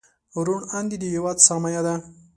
روڼ اندي د هېواد سرمایه ده.